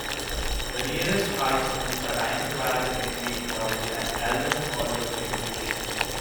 The nearest high schools are Diamond Valley Secondary College and Eltham College of Education.